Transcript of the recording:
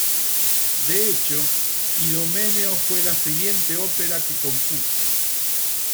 De hecho, "Idomeneo" fue la siguiente ópera que compuso.